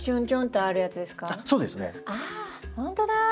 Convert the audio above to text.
あほんとだ！